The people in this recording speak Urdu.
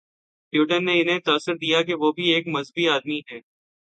پیوٹن نے انہیں تاثر دیا کہ وہ بھی ایک مذہبی آدمی ہیں۔